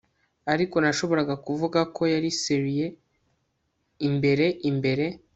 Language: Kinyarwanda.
ariko nashoboraga kuvuga ko yari serieux, imbere imbere